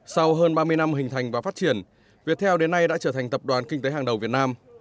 sau hơn ba mươi năm hình thành và phát triển việt theo đến nay đã trở thành tập đoàn kinh tế hàng đầu việt nam